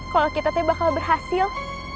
kalau kita bakal berhasil